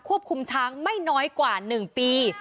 คุมช้างไม่น้อยกว่า๑ปี